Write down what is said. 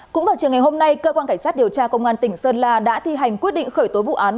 cũng vào chiều ngày hôm nay cơ quan cảnh sát điều tra công an tỉnh sơn la đã thi hành quyết định khởi tố vụ án